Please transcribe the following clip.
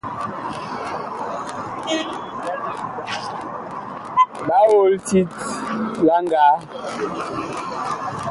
Ɓa ol tit la ngaa.